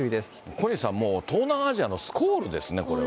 小西さん、もう、東南アジアのスコールですね、これは。